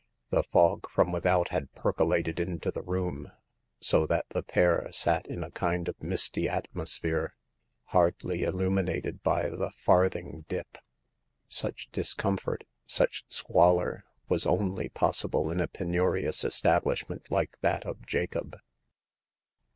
The fog from without had percolated into the room, so that the pair sat in a kind of misty atmosphere, hardly illuminated by the farthing dip. Such discomfort, such squalor, was only possible in a penurious establishment like that of Jacob.